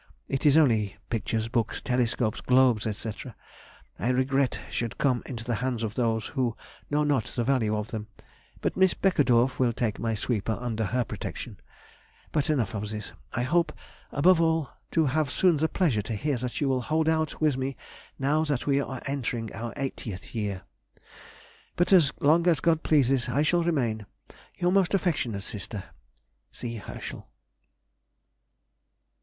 It is only pictures, books, telescopes, globes, &c., I regret should come into hands of those who know not the value of them; but Miss Beckedorff will take my sweeper under her protection; but enough of this.... I hope, above all, to have soon the pleasure to hear that you will hold out with me now that we are entering on our eightieth year. But as long as God pleases I shall remain Your most affectionate sister, C. HERSCHEL.